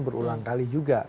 berulang kali juga